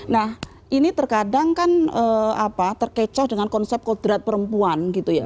nah ini terkadang kan terkecoh dengan konsep kodrat perempuan gitu ya